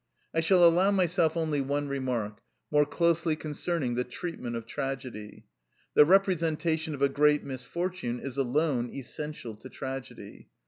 I shall allow myself only one remark, more closely concerning the treatment of tragedy. The representation of a great misfortune is alone essential to tragedy.